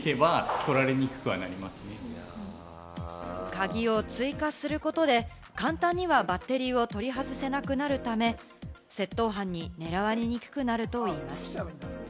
鍵を追加することで、簡単にはバッテリーを取り外せなくなるため、窃盗犯に狙われにくくなるといいます。